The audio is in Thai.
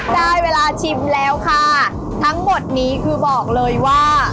ได้เวลาชิมแล้วค่ะทั้งหมดนี้คือบอกเลยว่า